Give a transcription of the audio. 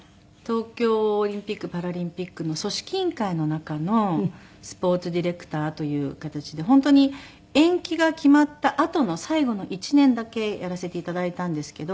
東京オリンピック・パラリンピックの組織委員会の中のスポーツディレクターという形で本当に延期が決まったあとの最後の１年だけやらせて頂いたんですけど。